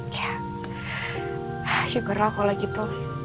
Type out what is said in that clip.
ya syukurlah kalau gitu